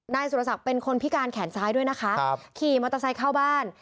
นายสุรศักดิ์เป็นคนพิการแขนซ้ายด้วยนะคะขี่มอเตอร์ไซค์เข้าบ้าน